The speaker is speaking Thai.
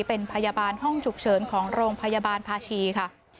เป็นพยาบาลห้องฉุกเฉินของโรงพยาบาลภาชีค่ะ